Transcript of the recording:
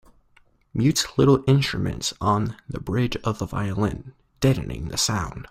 Mutes little instruments on the bridge of the violin, deadening the sound.